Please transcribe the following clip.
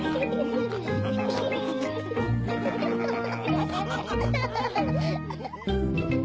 アハハハハ！